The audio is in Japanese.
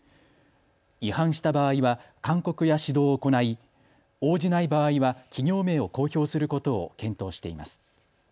違反した場合は勧告や指導を行い、応じない場合は企業名を公表することを検討しています。